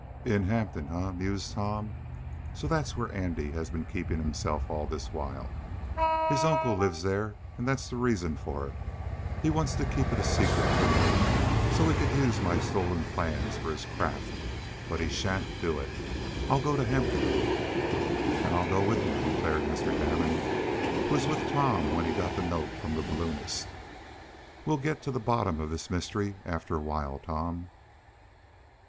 "In Hampton, eh?" mused Tom. "So that's where Andy has been keeping himself all this while. His uncle lives there, and that's the reason for it. He wanted to keep it a secret from me, so he could use my stolen plans for his craft. But he shan't do it! I'll go to Hampton!" "And I'll go with you!" declared Mr. Damon, who was with Tom when he got the note from the balloonist. "We'll get to the bottom of this mystery after a while, Tom."